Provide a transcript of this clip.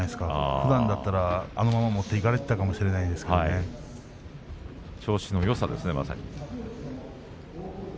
ふだんだったら、あのまま持っていかれたかもしれませんまさに調子のよさですね。